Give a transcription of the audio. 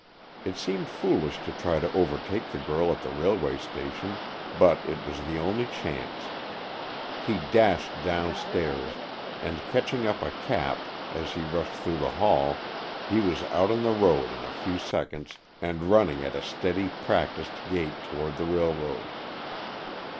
It seemed foolish to try to overtake the girl at the railway station, but it was the only chance. He dashed downstairs, and, catching up a cap as he rushed through the hall, he was out on the road in a few seconds, and running at a steady, practised gait toward the railroad.